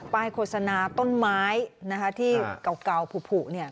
ป้ายโฆษณาต้นไม้ที่เก่าผูเนี่ย